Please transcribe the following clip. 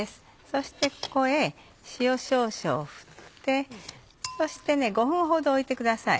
そしてここへ塩少々を振ってそして５分ほどおいてください。